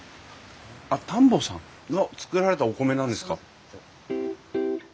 あっ田んぼさん。が作られたお米なんですか？